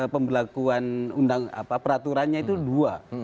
pembelakuan peraturannya itu dua